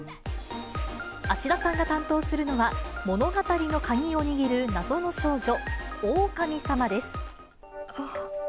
芦田さんが担当するのは、物語の鍵を握る謎の少女、オオカミさまです。